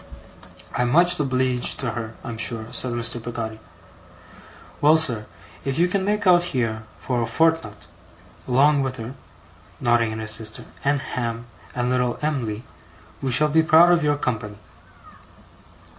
'I'm much obleeged to her, I'm sure,' said Mr. Peggotty. 'Well, sir, if you can make out here, fur a fortnut, 'long wi' her,' nodding at his sister, 'and Ham, and little Em'ly, we shall be proud of your company.